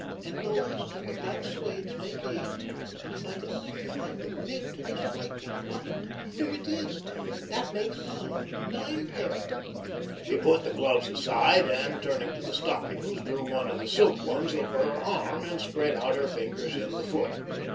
and those, and the black suedes make eight.... And if I could only find the mate to this white one.... Ah, here it is. That makes nine, nine pair." She put the gloves aside, and turning to the stockings drew one of the silk ones over her arm, and spread out her fingers in the foot.